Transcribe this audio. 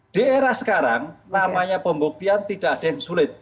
di era sekarang namanya pembuktian tidak ada yang sulit